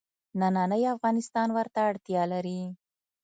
نننی افغانستان ورته اړتیا لري.